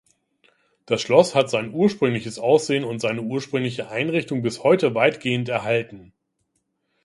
Das Schloss hat sein ursprüngliches Aussehen und seine ursprüngliche Einrichtung bis heute weitgehend erhalten.